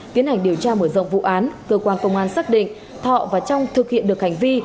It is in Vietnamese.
tiến hành điều tra mở rộng vụ án cơ quan công an xác định thọ và trong thực hiện được hành vi